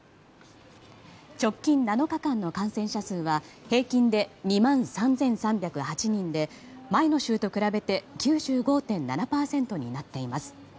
直近７日間の感染者数は平均で２万３３０８人で前の週と比べて９５．７％になっています。